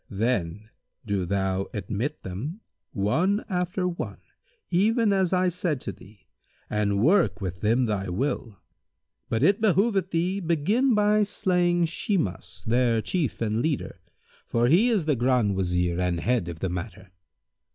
Then do thou admit them, one after one, even as I said to thee and work with them thy will; but it behoveth thee begin by slaying Shimas, their chief and leader; for he is the Grand Wazir and head of the matter.